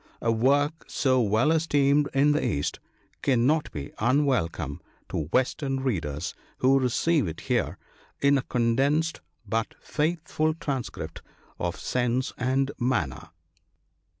A work so well esteemed in the East cannot be unwel come to Western readers, who receive it here, in a con densed but faithful transcript of sense and manner.